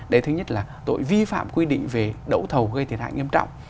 đấy thứ nhất là tội vi phạm quy định về đẫu thầu gây thiệt hạn nghiêm trọng